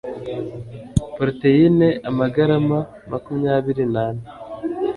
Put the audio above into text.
Proteines amagarama makumyabiri nane